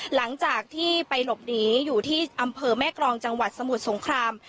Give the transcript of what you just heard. หลังจากที่ไปหลบหนีอยู่ที่อำเภอแม่กรองจังหวัดสมุทรสงคราม